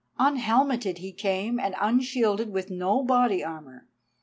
Unhelmeted he came and unshielded, with no body armour.